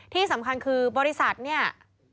ที่สำคัญคือบริษัทเนี่ย